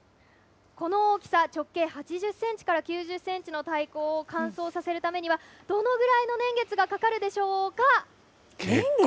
この大きさ、直径８０センチから９０センチの太鼓を乾燥させるためにはどのぐらいの年月がかかるでしょうか。